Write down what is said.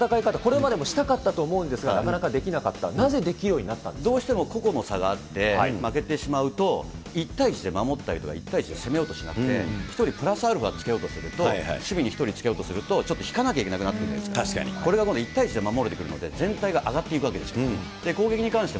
北澤さん、そういう戦い方、これまでもしたかったと思いますが、なかなかできなかった、どうしても個々の差があって、負けてしまうと１対１で守ったりとか、１対１で攻めようとしなくて、１人プラスアルファつけようとすると、守備に１人つけようとすると、ちょっと引かなきゃいけない、これが今度１対１で守るときにも全体が上がっていくわけですよ。